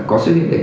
có xuất huyết đánh